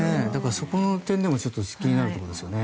そこの点でも気になるところですよね。